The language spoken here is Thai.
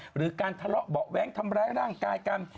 หรือการทะเลาะเบาะแว้งทำร้ายร่างกายกัน